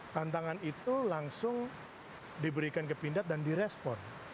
tantangan itu langsung diberikan ke pindad dan direspon